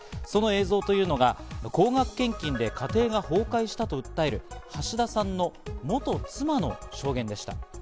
その映像というのが、高額献金で家庭が崩壊したと訴える橋田さんの元妻の証言でした。